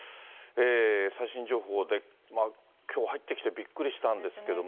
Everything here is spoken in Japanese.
最新情報で、きょう入ってきてびっくりしたんですけれども。